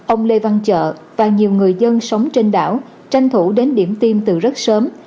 ông lê văn chợ và nhiều người dân sống trên đảo tranh thủ đến điểm tiêm từ rất sớm